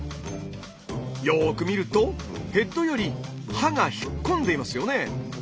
よく見るとヘッドより刃が引っ込んでいますよね。